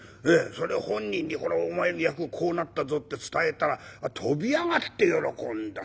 それ本人にお前の役こうなったぞって伝えたら跳び上がって喜んだ。